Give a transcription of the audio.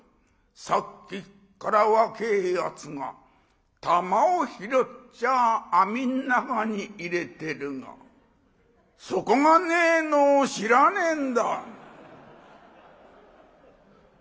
さっきっから若えやつが球を拾っちゃ網の中に入れてるが底がねえのを知らねえんだ」。